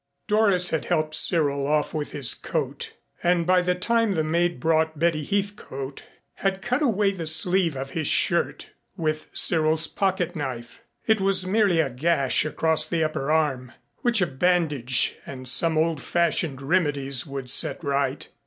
Doris had helped Cyril off with his coat and by the time the maid brought Betty Heathcote, had cut away the sleeve of his shirt with Cyril's pocket knife. It was merely a gash across the upper arm, which a bandage and some old fashioned remedies would set right.